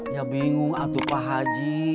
ya bingung atau pak haji